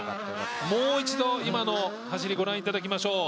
もう一度今の走りご覧いただきましょう。